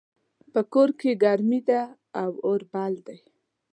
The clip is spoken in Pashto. په کور کې ګرمي ده او اور بل ده